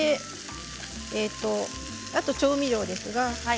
あとは調味料です。